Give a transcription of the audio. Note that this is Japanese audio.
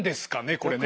これね。